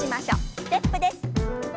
ステップです。